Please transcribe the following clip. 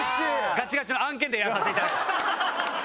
ガチガチの案件でやらさせて頂いてます。